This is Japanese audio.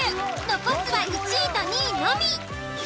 残すは１位と２位のみ。